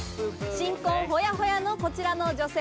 新婚ホヤホヤのこちらの女性。